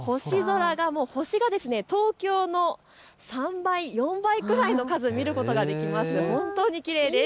星が東京の３倍、４倍くらいの数、見ることができます。